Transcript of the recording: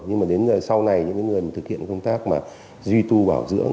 nhưng mà đến sau này những người thực hiện công tác duy tu bảo dưỡng